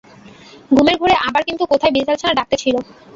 ঘুমের ঘোরে আবার কিন্তু কোথায় বিড়ালছানা ডাকিতেছিল।